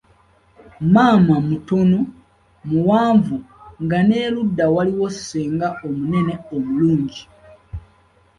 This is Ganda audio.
Maama mutono , muwanvu nga n'eruda waliyo senga omunene obulungi.